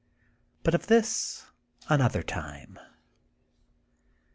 But of this another time.